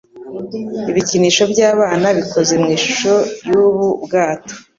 ibikinisho by'abana bikoze mu ishusho y'ubu bwato